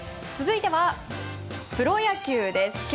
続いてはプロ野球です。